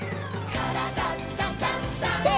「からだダンダンダン」せの！